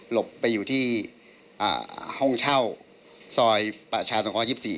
หลบไปอยู่ที่ห้องเช่าซอยประชาสงคร๒๔